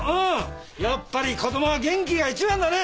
やっぱり子供は元気が一番だね！